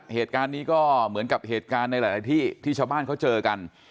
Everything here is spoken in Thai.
เหตุการณ์นี้ก็เหมือนกับเหตุการณ์ในหลายที่ที่ชาวบ้านเขาเจอกัน